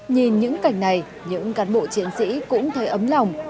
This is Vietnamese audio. nhìn những cảnh này những cán bộ chiến sĩ cũng thấy ấm lòng